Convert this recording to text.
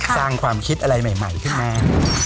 สร้างความคิดอะไรใหม่ขึ้นมา